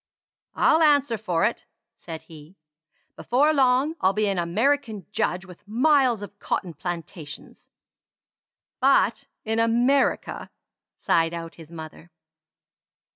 "I'll answer for it," said he: "before long I'll be an American judge with miles of cotton plantations." "But in America," sighed out his mother.